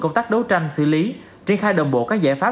công tác đấu tranh xử lý triển khai đồng bộ các giải pháp